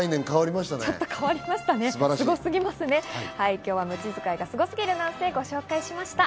今日はムチ使いがスゴすぎる男性をご紹介しました。